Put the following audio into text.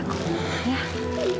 nini gak mau jawab